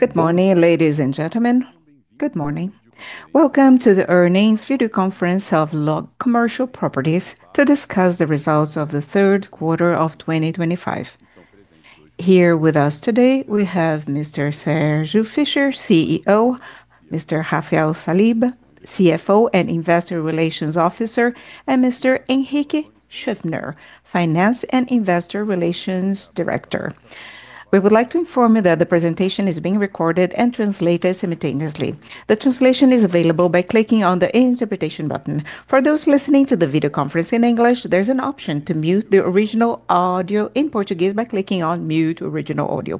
Good morning, ladies and gentlemen. Good morning. Welcome to the earnings video conference of LOG Commercial Properties to discuss the results of the third quarter of 2025. Here with us today we have Mr. Sérgio Fischer, CEO, Mr. Rafael Saliba, CFO and Investor Relations Officer, and Mr. Henrique Schuffner, Finance and Investor Relations Director. We would like to inform you that the presentation is being recorded and translated simultaneously. The translation is available by clicking on the interpretation button. For those listening to the video conference in English, there's an option to mute the original audio in Portuguese. By clicking on mute original audio.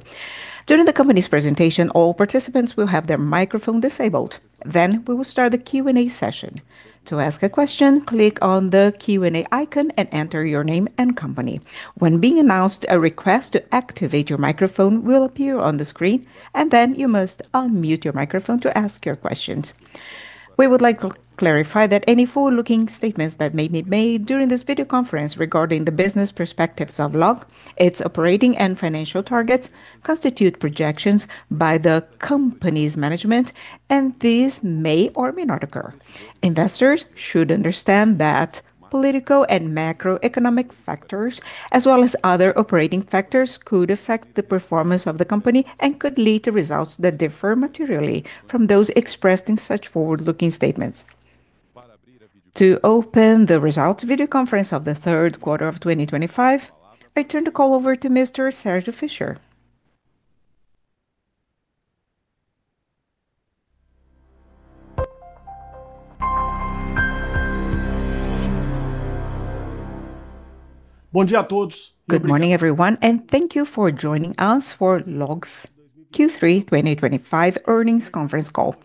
During the company's presentation, all participants will have their microphone disabled then we will start the Q&A session. To ask a question, click on the Q&A icon and enter your name and company. When being announced, a request to activate your microphone will appear on the screen and you must unmute your microphone to ask your questions. We would like to clarify that any forward-looking statements that may be made during this video conference regarding the business perspectives of LOG, its operating and financial targets, constitute projections by the company's management and these may or may not occur. Investors should understand that political and macroeconomic factors, as well as other operating factors, could affect the performance of the company and could lead to results that differ materially from those expressed in such forward-looking statements. To open the results video conference of the third quarter of 2025, I turn the call over to Mr. Sérgio Fischer. Good morning everyone and thank you for joining us for LOG's Q3 2025 earnings conference call.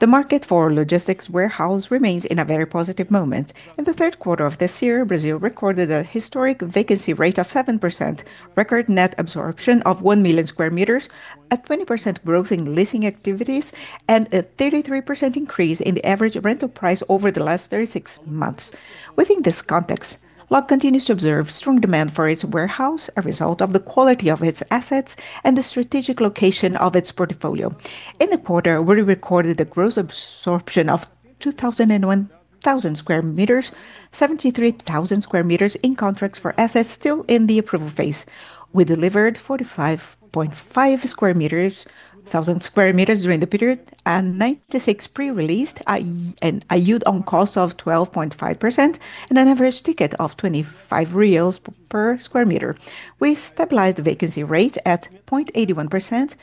The market for logistics warehouses remains in a very positive moment. In the third quarter of this year, Brazil recorded a historic vacancy rate of 7%, record net absorption of 1 million sq m, a 20% growth in leasing activities, and a 33% increase in the average rental price over the last 36 months. Within this context, LOG continues to observe strong demand for its warehouse, a result of the quality of its assets and the strategic location of its portfolio. In the quarter, we recorded the gross absorption of 201,000 sq m, 73,000 sq m in contracts for assets still in the approval phase. We delivered 45,400 thousand sq m during the period and 96% pre-leased, a yield on cost of 12.5% and an average ticket of 25.04 reais per square meter. We stabilized vacancy rate at 0.81%.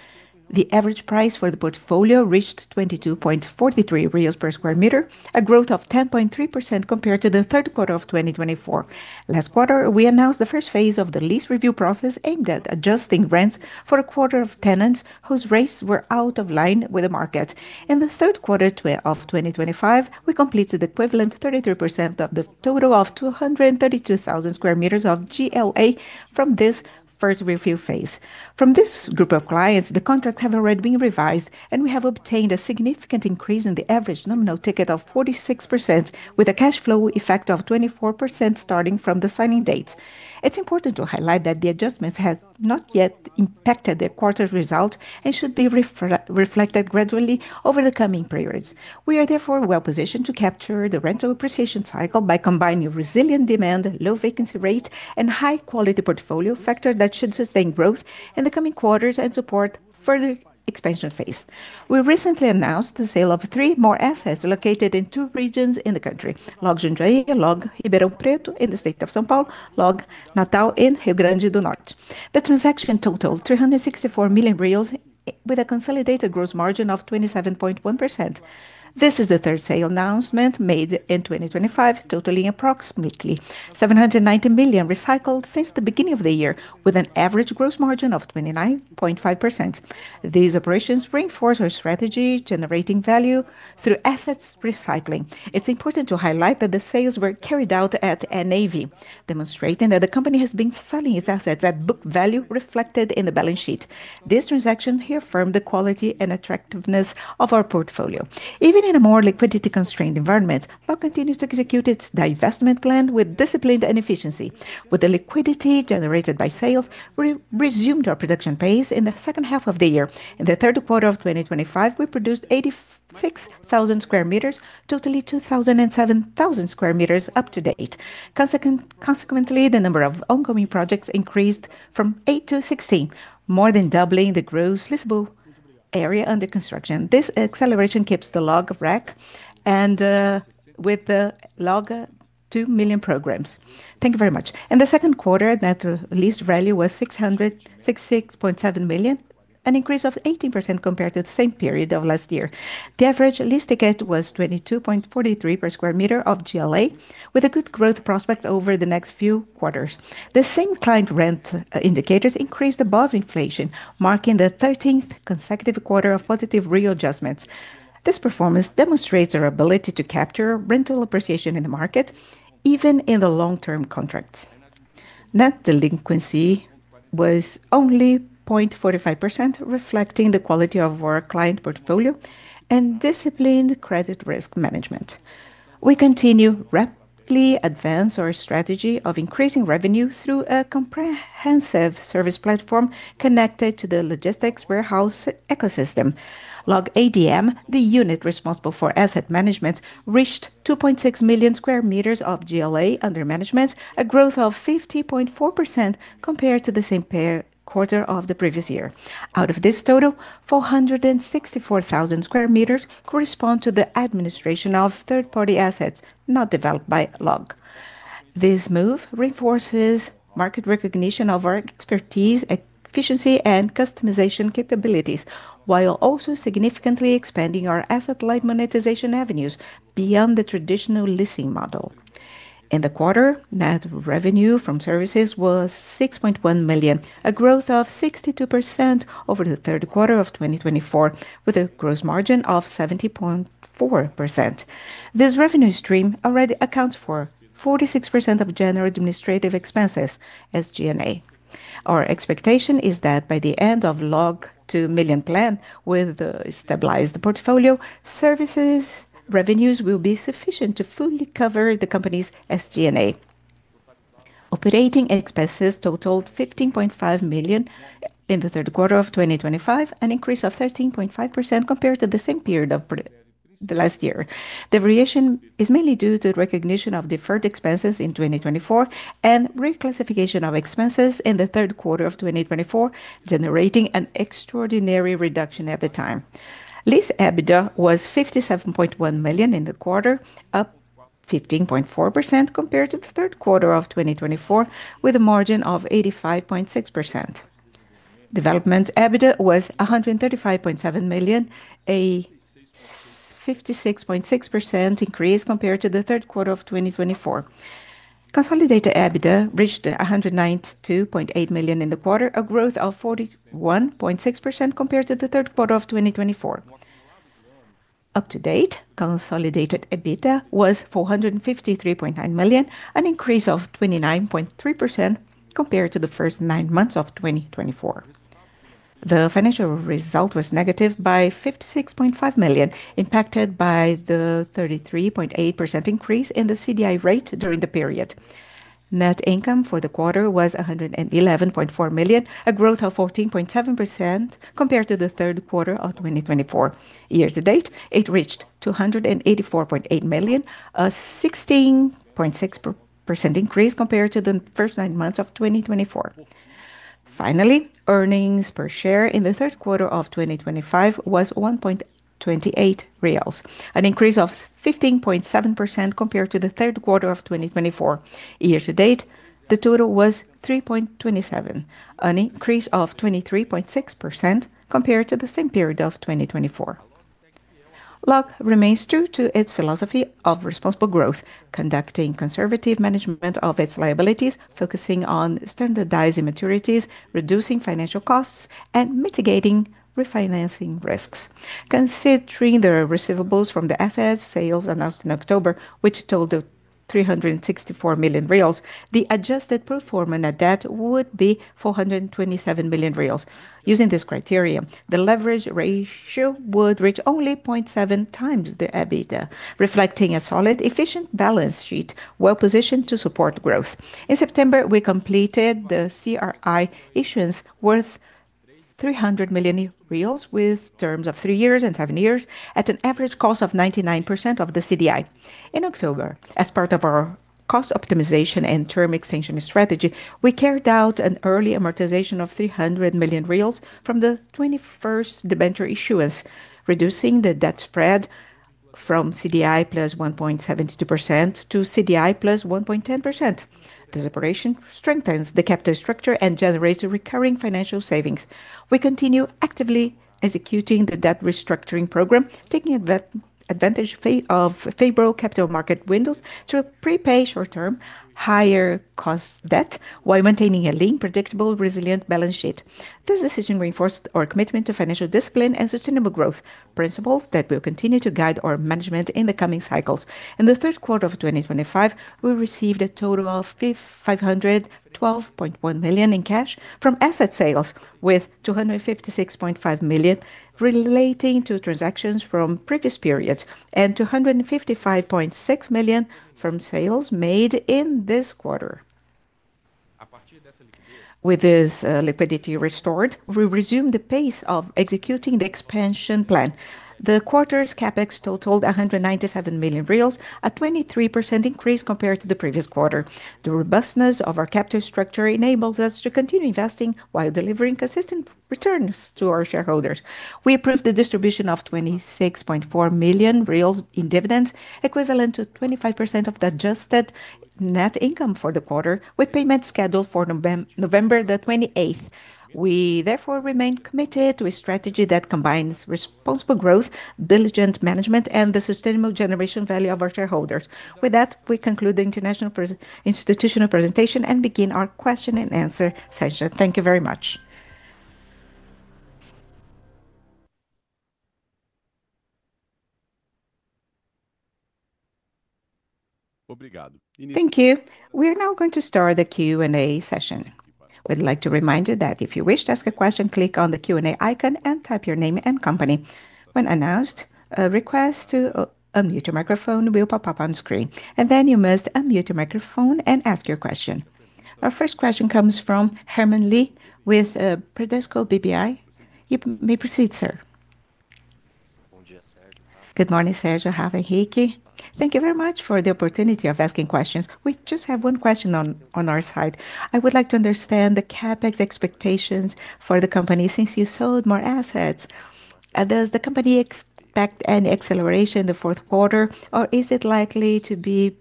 The average price for the portfolio reached 22.43 reais per sq m, a growth of 10.3% compared to the third quarter of 2024. Last quarter, we announced the first phase of the lease review process aimed at adjusting rents for a quarter of tenants whose rates were out of line with the market. In the third quarter of 2025, we completed the equivalent 33% of the total of 232,000 sq m of GLA from this first review phase. From this group of clients, the contracts have already been revised and we have obtained a significant increase in the average nominal ticket of 46% with a cash flow effect of 24% starting from the signing dates. It's important to highlight that the adjustments have not yet impacted the quarter's result and should be reflected gradually over the coming periods. We are therefore well positioned to capture the rental appreciation cycle by combining resilient demand, low vacancy rate and high-quality portfolio, factors that should sustain growth in the coming quarters and support further expansion phase. We recently announced the sale of three more assets located in two regions in the LOG Jundiaí, LOG Ribeirão Preto in the state of São Paulo, LOG Natal in Rio Grande do Norte, the transaction totaled 364 million reais with a consolidated gross margin of 27.1%. This is the third sale announcement made in 2025, totaling approximately 790 million recycled since the beginning of the year, with an average gross margin of 29.5%. These operations reinforce our strategy generating value through asset recycling. It's important to highlight that the sales were carried out at NAV, demonstrating that the company has been selling its assets at book value reflected in the balance sheet. This transaction reaffirmed the quality and attractiveness of our portfolio even in a more liquidity-constrained environment. LOG continues to execute its divestment plan with discipline and efficiency. With the liquidity generated by sales, we resumed our production pace in the second half of the year. In the third quarter of 2025, we produced 86,000 sq m, totaling 207,000 sq m to date. Consequently, the number of ongoing projects increased from 8 to 16, more than doubling the gross leasable area under construction. This acceleration keeps the LOG on track and with the LOG 2 Million programs. Thank you very much. In the second quarter, net lease value was 66.7 million, an increase of 18% compared to the same period of last year. The average lease ticket was 22.43 per sq m of GLA with a good growth prospect. Over the next few quarters, the same client rent indicators increased above inflation, marking the 13th consecutive quarter of positive real adjustments. This performance demonstrates our ability to capture rental appreciation in the market even in the long-term contracts. Net delinquency was only 0.45%, reflecting the quality of our client portfolio and disciplined credit risk management. We continue to rapidly advance our strategy of increasing revenue through a comprehensive service platform connected to the logistics warehouse ecosystem. LOG ADM, the unit responsible for asset management, reached 2.6 million sq m of GLA under management, a growth of 50.4% compared to the same quarter of the previous year. Out of this total, 464,000 sq m correspond to the administration of third-party assets not developed by LOG. This move reinforces market recognition of our expertise, efficiency, and customization capabilities while also significantly expanding our asset-light monetization avenues beyond the traditional leasing model. In the quarter, net revenue from services was 6.1 million, a growth of 62% over the third quarter of 2024, with a gross margin of 70.4%. This revenue stream already accounts for 46% of general administrative expenses. Our expectation is that by the end of LOG 2 Million Plan with the stabilized portfolio services revenues will be sufficient to fully cover the company's SG&A. Operating expenses totaled 15.5 million in Q3 2025, an increase of 13.5% compared to the same period of last year. The variation is mainly due to recognition of deferred expenses in 2024 and reclassification of expenses in the third quarter of 2024, generating an extraordinary reduction at the time. Lease EBITDA was 57.1 million in the quarter, up 15.4% compared to the third quarter of 2024, with a margin of 85.6%. Development EBITDA was 135.7 million, a 56.6% increase compared to the third quarter of 2024. Consolidated EBITDA reached 192.8 million in the quarter, a growth of 41.6% compared to the third quarter of 2022. Up to date, consolidated EBITDA was 453.9 million, an increase of 29.3% compared to the first nine months of 2024. The financial result was negative by 56.5 million, impacted by the 33.8% increase in the CDI rate during the period. Net income for the quarter was 111.4 million, a growth of 14.7% compared to the third quarter of 2024. Year to date, it reached 284.8 million, a 16.6% increase compared to the first nine months of 2024. Finally, earnings per share in the third quarter of 2025 was 1.28 reais, an increase of 15.7% compared to the third quarter of 2024. Year to date the total was 3.27, an increase of 23.6% compared to the same period of 2024. LOG remains true to its philosophy of responsible growth, conducting conservative management of its liabilities, focusing on standardizing maturities, reducing financial costs, and mitigating refinancing risks. Considering the receivables from the asset sales announced in October, which totaled 364 million reais, the adjusted performance at that would be 427 million reais. Using this criteria, the leverage ratio would reach only 0.7x the EBITDA, reflecting a solid, efficient balance sheet well positioned to support growth. In September, we completed the CRI issuance worth 300 million reais with terms of three years and seven years at an average cost of 99% of the CDI. In October, as part of our cost optimization and term extension strategy, we carried out an early amortization of 300 million reais from the 21st debenture issuance, reducing the debt spread from CDI +1.72% to CDI +1.10%. This operation strengthens the capital structure and generates recurring financial savings. We continue actively executing the debt restructuring program, taking advantage of favorable capital market windows through prepaying short-term higher cost debt while maintaining a lean, predictable, resilient balance sheet. This decision reinforced our commitment to financial, disciplined, and sustainable growth principles that will continue to guide our management in the coming cycles. In the third quarter of 2025, we received a total of 512.1 million in cash from asset sales, with 256.5 million relating to transactions from previous periods and 255.6 million from sales made in this quarter. With this liquidity restored, we resumed the pace of executing the expansion plan. The quarter's CapEx totaled 197 million reais, a 23% increase compared to the previous quarter. The robustness of our capital structure enables us to continue investing while delivering consistent returns to our shareholders. We approved the distribution of 26.4 million reais in dividends, equivalent to 25% of the adjusted net income for the quarter, with payments scheduled for November 28th. We therefore remain committed to a strategy that combines responsible growth, diligent management, and the sustainable generation of value for our shareholders. With that, we conclude the institutional presentation and begin our question and answer session. Thank you very much. Thank you. We are now going to start the Q&A session. We'd like to remind you that if you wish to ask a question, click on the Q&A icon and type your name and company. When announced, a request to unmute your microphone will pop up on screen. You must unmute your microphone and ask your question. Our first question comes from Herman Lee with Bradesco BBI. You may proceed, sir. Good morning, Sérgio Fischer. Thank you very much for the opportunity of asking questions. We just have one question on our side, I would like to understand the CapEx expectations for the company. Since you sold more assets, does the company expect an acceleration in the fourth quarter or is it likely to be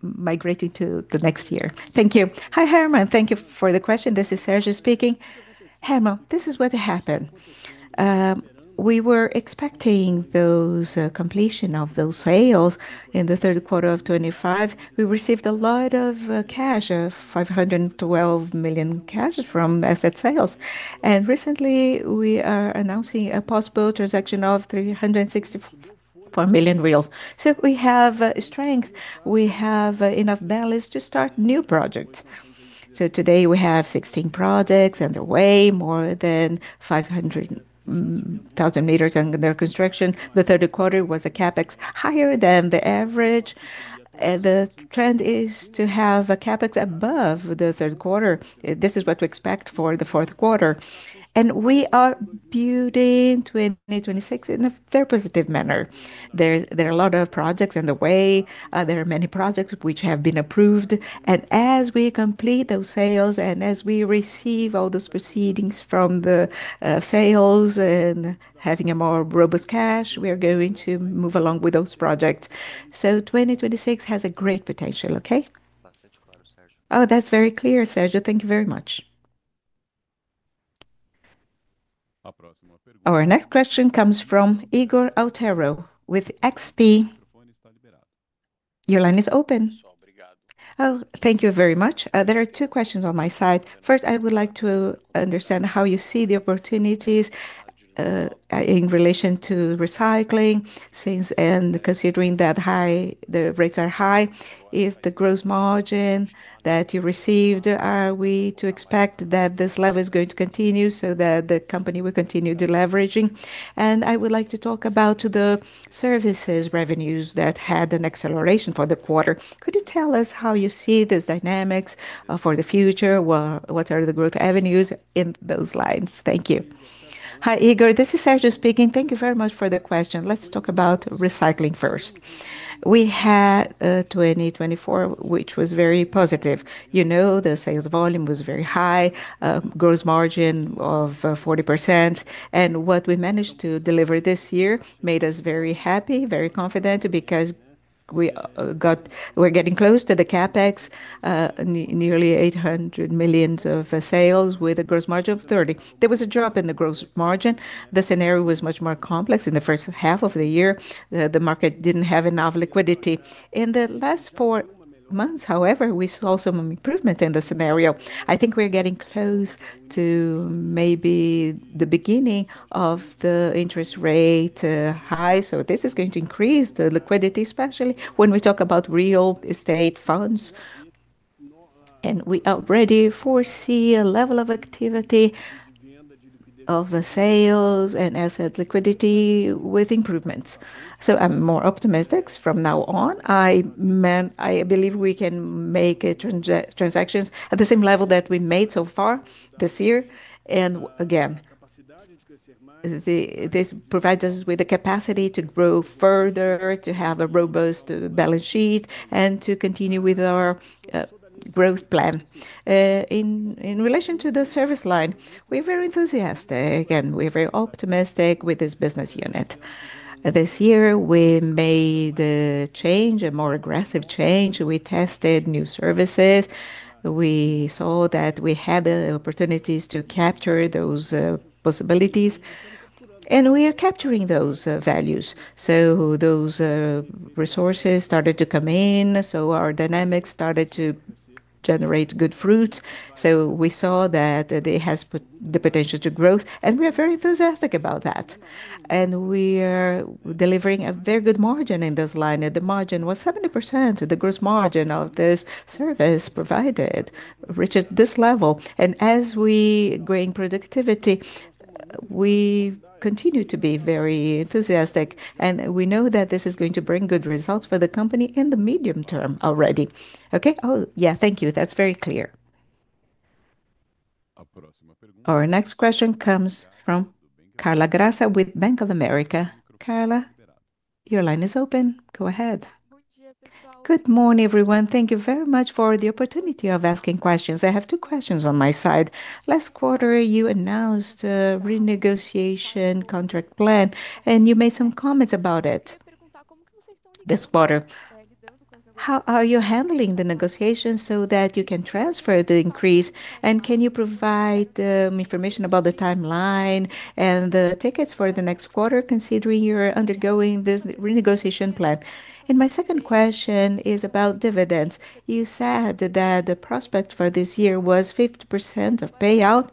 migrating to the next year? Thank you. Hi, Herman, thank you for the question. This is Sérgio speaking. Herman, this is what happened. We were expecting the completion of those sales in 3Q 2025. We received a lot of cash. 512 million cash from asset sales. Recently we are announcing a possible transaction of 364 million reais. We have strength, we have enough balance to start new projects. Today we have 16 projects and they're way more than 500,000 m under construction. The third quarter was a CapEx higher than the average. The trend is to have a CapEx above the third quarter. This is what we expect for the fourth quarter. We are building 2026 in a very positive manner. There are a lot of projects in the way. There are many projects which have been approved, and as we complete those sales and as we receive all those proceeds from the sales and have a more robust cash, we are going to move along with those projects. 2026 has a great potential. Okay. Oh, that's very clear, Sérgio. Thank you very much. Our next question comes from Ygor Altero with XP. Your line is open. Oh, thank you very much. There are two questions on my side. First, I would like to understand how you see the opportunities in relation to recycling since and considering that the rates are high. If the gross margin that you received, are we to expect that this level is going to continue so that the company will continue deleveraging? I would like to talk about the services revenues that had an acceleration for the quarter, could you tell us how you see these dynamics for the future? What are the growth avenues in those lines? Thank you. Hi, Ygor, this is Sérgio Fischer speaking. Thank you very much for the question. Let's talk about recycling first. We had 2024, which was very positive. You know, the sales volume was very high, gross margin of 40%. What we managed to deliver this year made us very happy, very confident because we got, we're getting close to the CapEx, nearly 800 million of sales with a gross margin of 30%. There was a drop in the gross margin. The scenario was much more complex in the first half of the year. The market didn't have enough liquidity. In the last four months, however, we saw some improvement in the scenario. I think we're getting close to maybe the beginning of the interest rate high. This is going to increase the liquidity, especially when we talk about real estate funds. We are ready, foresee a level of activity of sales and asset liquidity with improvements. I'm more optimistic from now on. I believe we can make transactions at the same level that we made so far this year. This provides us with the capacity to grow further, to have a robust balance sheet, and to continue with our growth plan. In relation to the service line, we're very enthusiastic and we're very optimistic with this business unit. This year we made a change, a more aggressive change. We tested new services. We saw that we had the opportunities to capture those possibilities and we are capturing those values. Those resources started to come in. Our dynamics started to generate good fruits. We saw that it has the potential to grow and we are very enthusiastic about that, and we are delivering a very good margin in this line. The margin was 70% of the gross margin of this service provided reaches this level. As we gain productivity, we continue to be very enthusiastic and we know that this is going to bring good results for the company in the medium term already. Thank you, that's very clear. Our next question comes from Carla Graça with Bank of America. Carla, your line is open. Go ahead. Good morning, everyone. Thank you very much for the opportunity of asking questions. I have two questions on my side. Last quarter you announced renegotiation contract plan, and you made some comments about it this quarter. How are you handling the negotiations so that you can transfer the increase? Can you provide information about the timeline and the tickets for the next quarter considering you're undergoing this renegotiation plan? My second question is about dividends. You said that the prospect for this year was 50% of payout.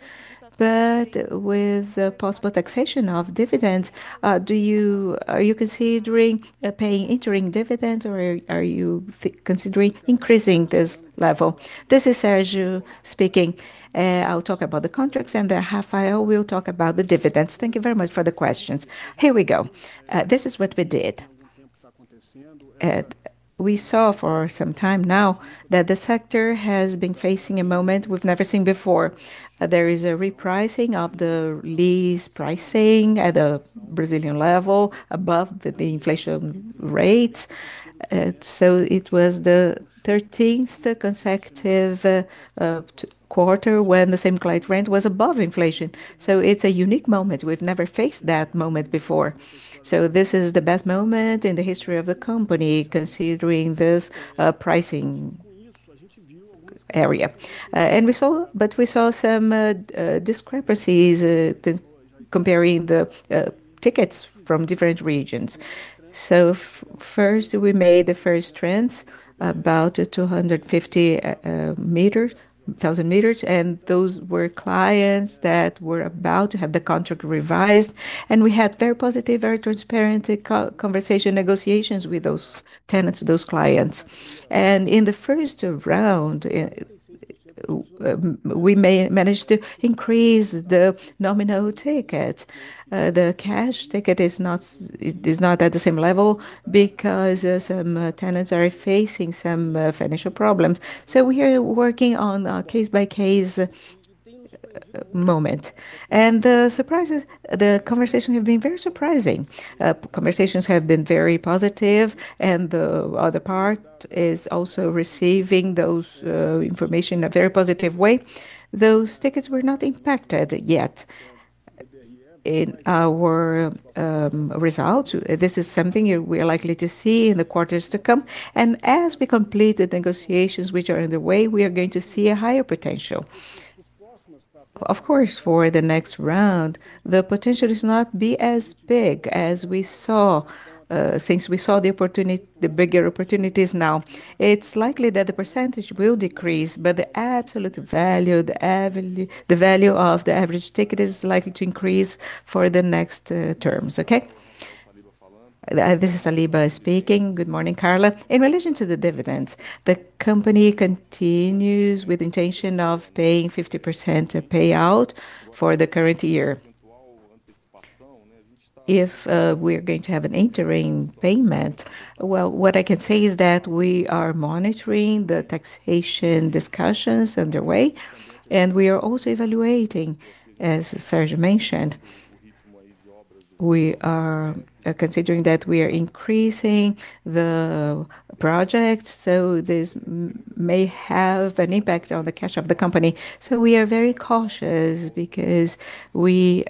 With the possible taxation of dividends, are you considering paying, paying, entering dividends or are you considering increasing this level? This is Sérgio Fischer speaking. I'll talk about the contracts and the half, Rafael will talk about the dividends. Thank you very much for the questions. Here we go. This is what we did. We saw for some time now that the sector has been facing a moment we've never seen before. There is a repricing of the lease pricing at the Brazilian level above the inflation rate. It was the 13th consecutive quarter when the same client rent was above inflation. It is a unique moment. We've never faced that moment before. This is the best moment in the history of the company considering this pricing area. We saw some discrepancies when comparing the tickets from different regions. First, we made the first trends about 250,000 m. Those were clients that were about to have the contract revised. We had very positive, very transparent conversation negotiations with those tenants, those clients. In the first round, we managed to increase the nominal ticket. The cash ticket is not at the same level because some tenants are facing some financial problems. We are working on a case-by-case moment. The surprises in the conversation have been very surprising. Conversations have been very positive. The other part is also receiving those information in a very positive way. Those tickets were not impacted yet in our results. This is something we are likely to see in the quarters to come. As we complete the negotiations are underway, we are going to see a higher potential, of course, for the next round. The potential may not be as big as we saw things, we saw the opportunity, the bigger opportunities. Now it's likely that the percentage will decrease, but the absolute value, the value of the average ticket is likely to increase for the next terms. Okay. This is Saliba speaking. Good morning, Carla. In relation to the dividends, the company continues with intention of paying 50% payout for the current year. If we are going to have an interim payment, what I can say is that we are monitoring the taxation discussions underway and we are also evaluating, as Sérgio mentioned, we are considering that we are increasing the project. This may have an impact on the cash of the company. We are very cautious because we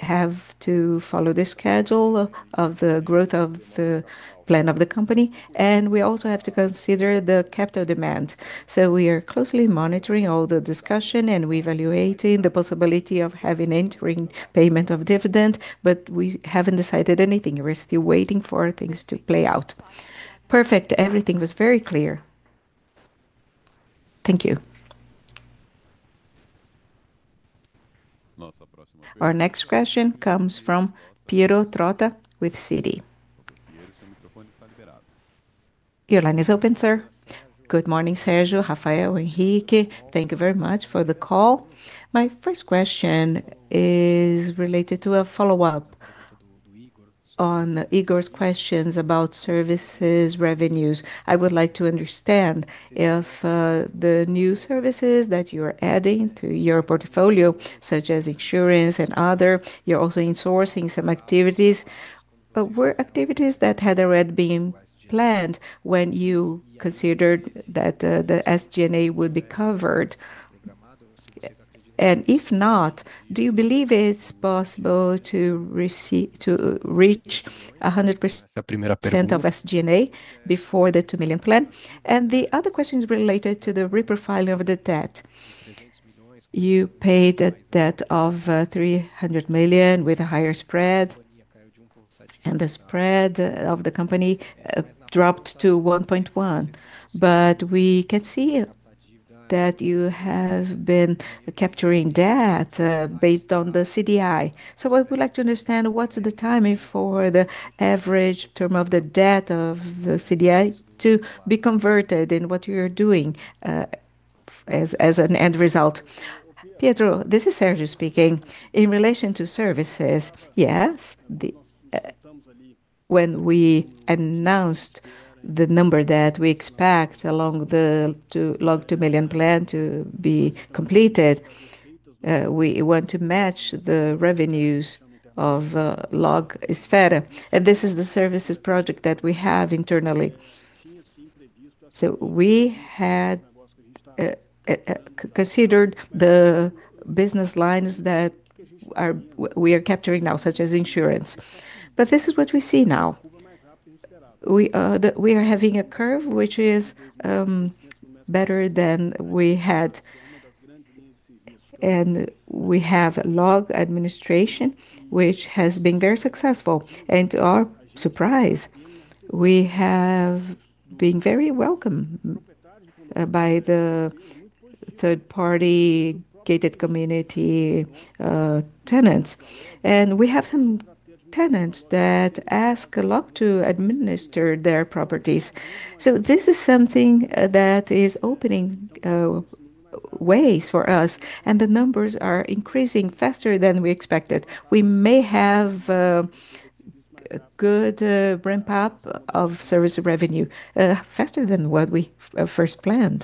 have to follow the schedule of the growth of the plan of the company. We also have to consider the capital demand. We are closely monitoring all the discussion and we are evaluating the possibility of having entering payment of dividend. We haven't decided anything. We're still waiting for things to play out. Perfect. Everything was very clear. Thank you. Our next question comes from Piero Trotta with Citi. Your line is open, sir. Good morning, Sérgio. Rafael, thank you very much for the call. My first question is related to a follow-up on Igor's questions about services revenues. I would like to understand if the new services that you are adding to your portfolio, such as insurance and others, you're also insourcing some activities. Were activities that had already been planned when you considered that the SG&A would be covered, and if not, do you believe it's possible to reach 100% of SG&A before the 2 Million Plan? The other question is related to the reprofiling of the debt. You paid a debt of 300 million with a higher spread, and the spread of the company dropped to 1.1%. We can see that you have been capturing debt based on the CDI. I would like to understand what's the timing for the average term of the debt to be converted in what you're doing as an end result. Pietro, this is Sérgio Fischer speaking in relation to services. When we announced the number that we expect along the LOG 2 Million Plan to be completed, we want to match the revenues of LOG [ADM], and this is the services project that we have internally. We had considered the business lines that we are capturing now, such as insurance is what we see. Now we are having a curve which is better than we had, and we have LOG administration, which has been very successful. To our surprise, we have been very welcome by the third-party gated community tenants, and we have some tenants. That ask a lot to administer their properties. This is something that is opening ways for us. The numbers are increasing faster than we expected. We may have good ramp up of service revenue faster than what we first planned.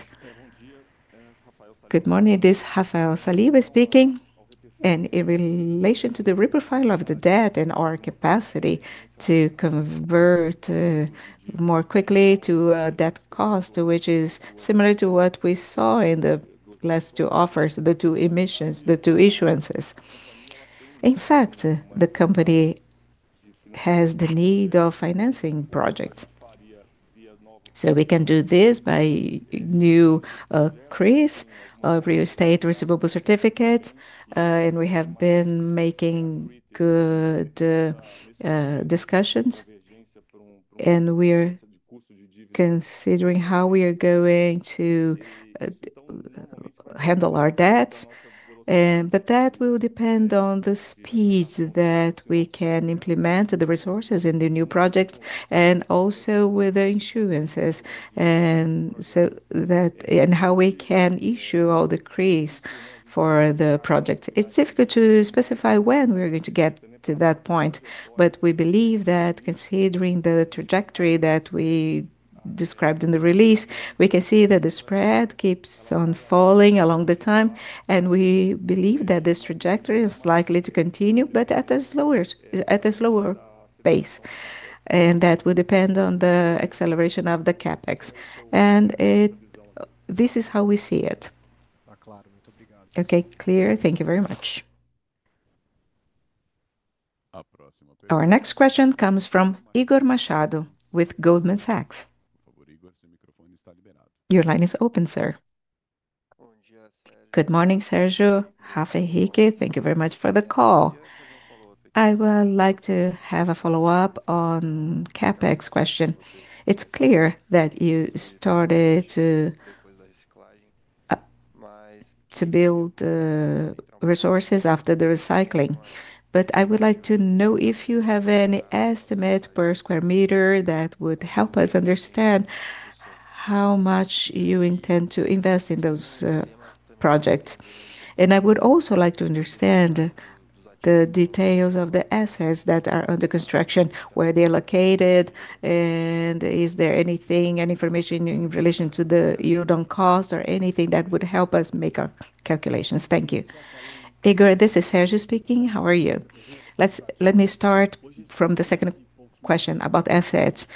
Good morning, this is Rafael Saliba speaking. In relation to the reprofiling of the debt and our capacity to convert more quickly to debt cost, which is similar to what we saw in the last two offers, the two issuances. In fact, the company has the need of financing projects, so we can do this by new CRIs of real estate receivable certificates. We have been making good discussions and we are considering how we are going to handle our debts, but that will depend on the speed that we can implement the resources in the new projects and also with the issuances and how we can issue all the CRIs for the project. It's difficult to specify when we're going. To get to that point, we believe that considering the trajectory that we described in the release, we can see that the spread keeps on falling along the time. We believe that this trajectory is likely to continue, but at a slower trend, at a slower pace, and that would depend on the acceleration of the CapEx. This is how we see it. Okay, clear. Thank you very much. Our next question comes from Igor Machado with Goldman Sachs. Your line is open, sir. Good morning, Sérgio, [Rafael, Henrique], thank you very much for the call. I would like to have a follow-up on the CapEx question. It's clear that you started to build resources after the recycling, but I would like to know if you have any estimate per square meter that would help us understand how much you intend to invest in those projects. I would also like to understand the details of the assets that are under construction, where they're located, and if there is any information in relation to the yield on cost or anything that would help us make our calculations. Thank you, Igor. This is Sérgio speaking. How are you? Let me start from the second question about assets.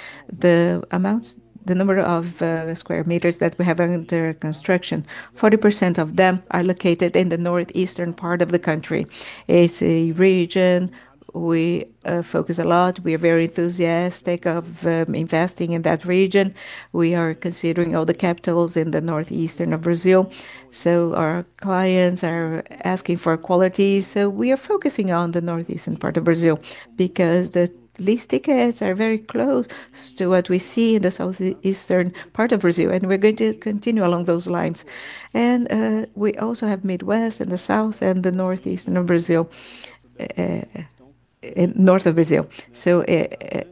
The amounts, the number of square meters that we have under construction, 40% of them are located in the northeastern part of the country. AC region. We focus a lot. We are very enthusiastic about investing in that region. We are considering all the capitals in the northeastern of Brazil, so our clients are asking for quality. We are focusing on the northeastern part of Brazil because the lease tickets are very close to what we see in the southeastern part of Brazil, and we are going to continue along those lines. We also have Midwest and the south and the northeastern of Brazil, north of Brazil.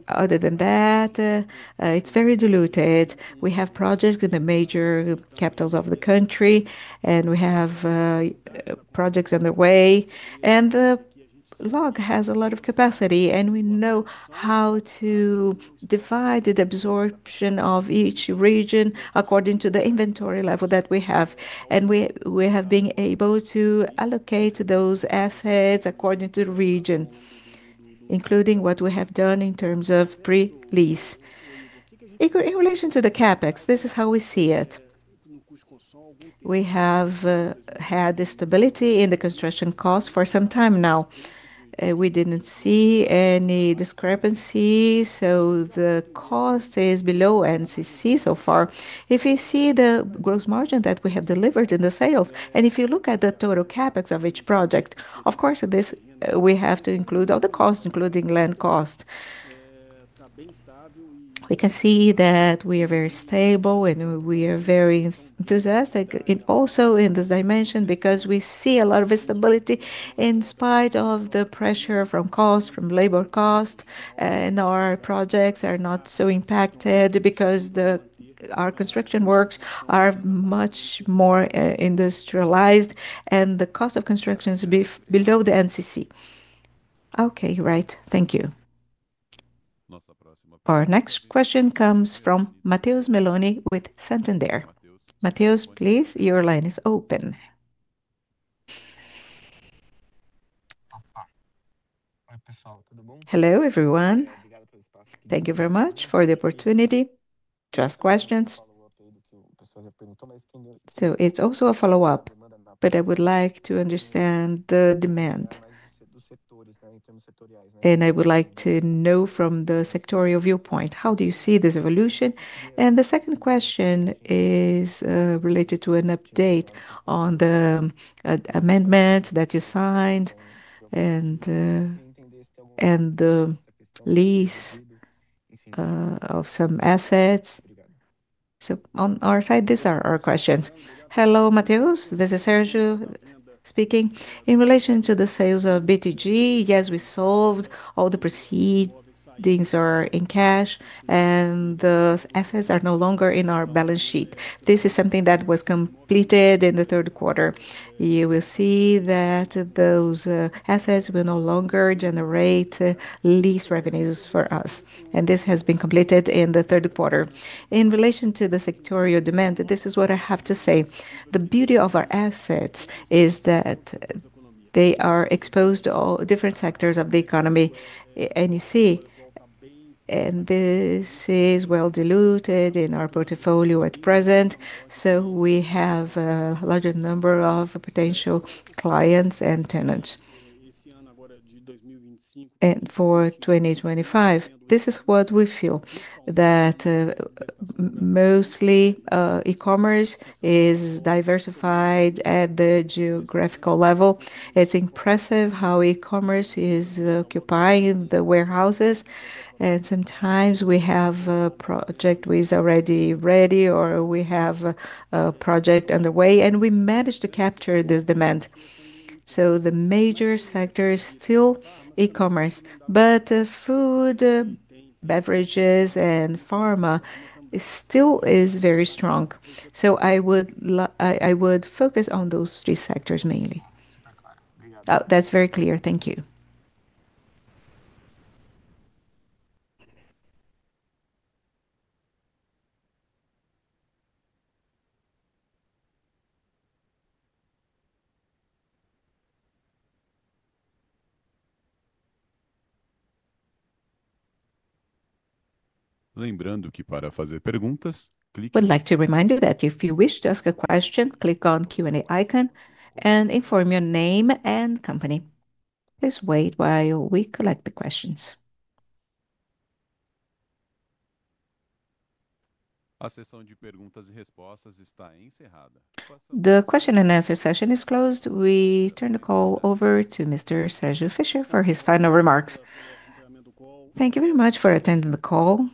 Other than that, it's very diluted. We have projects in the major capitals of the country, and we have projects underway, and LOG has a lot of capacity, and we know how to divide the absorption of each region according to the inventory level that we have. We have been able to allocate those assets according to the region, including what we have done in terms of pre-lease. In relation to the CapEx, this is how we see it. We have had the stability in the construction cost for some time now. We didn't see any discrepancy. The cost is below NCC. If you see the gross margin that we have delivered in the sales and if you look at the total CapEx of each project, of course, we have to include all the costs, including land cost. We can see that we are very stable, and we are very enthusiastic also in this dimension because we see a lot of instability in spite of the pressure from costs, from labor costs. Our projects are not so impacted because our construction works are much more industrialized, and the cost of construction is below the NCC. Okay, right, thank you. Our next question comes from Matheus Meloni with Santander. Matheus, please, your line is open. Hello everyone. Thank you very much for the opportunity. Just questions. I would like to understand the demand and I would like to know from the sectorial viewpoint, how do you see this evolution? The second question is related to another update on the amendment that you signed and the lease of some assets. These are our questions. Hello Matheus, this is Sérgio speaking in relation to the sales of BTG. Yes, we solved. All the proceedings are in cash and the assets are no longer in our balance sheet. This is something that was completed in the third quarter. You will see that those assets will no longer generate lease revenues for us. This has been completed in the third quarter. In relation to the sectorial demand, this is what I have to say. The beauty of our assets is that they are exposed to all different sectors of the economy. You see this is well diluted in our portfolio at present. We have a larger number of potential clients and tenants for 2025. This is what we feel, that mostly e-commerce is diversified at the geographical level. It's impressive how e-commerce is occupying the warehouses and sometimes we have project is already ready or we have project underway and we managed to capture this demand. The major sector is still e-commerce, but food, beverages, and pharma still is very strong. I would focus on those three sectors mainly. That's very clear. Thank you. Would like to remind you that if you wish to ask a question, click on Q&A icon and inform your name and company. Please wait while we collect the questions. The question and answer session is closed. We turn the call over to Mr. Sérgio Fischer for his final remarks. Thank you very much for attending the call.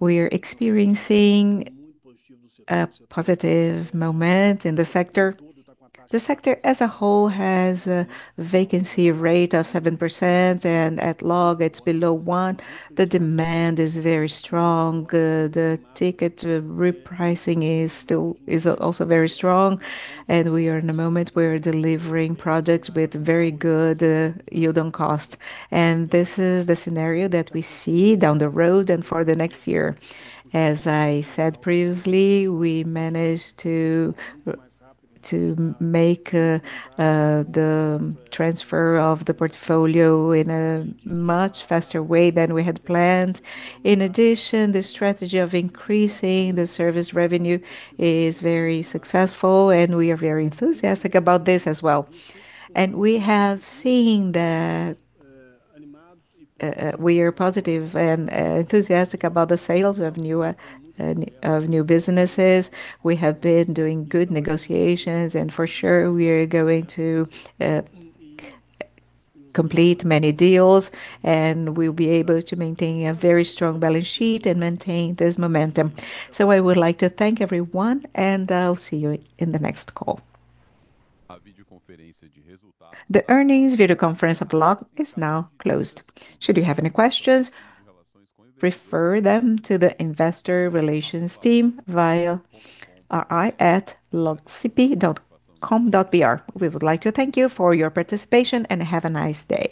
We are experiencing a positive moment in the sector. The sector as a whole has a vacancy rate of 7%, and at LOG it's below 1%. Demand is very strong. The ticket repricing is also very strong. We are in a moment where we're delivering products with very good yield on cost. This is the scenario that we see down the road and for the next year. As I said previously, we managed to make the transfer of the portfolio in a much faster way than we had planned. In addition, the strategy of increasing the service revenue is very successful and we are very enthusiastic about this as well. We have seen that we are positive and enthusiastic about the sales of new businesses. We have been doing good negotiations, and for sure we are going to complete many deals. We'll be able to maintain a very strong balance sheet and maintain this momentum. I would like to thank everyone, and I'll see you in the next call. The earnings video conference blog is now closed. Should you have any questions, refer them to the investor relations team via ri@logcp.com.br We would like to thank you for your participation and have a nice day.